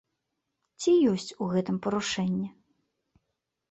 Ці ёсць у гэтым парушэнне?